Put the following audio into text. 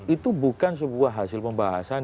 itu bukan sebuah hasil pembahasan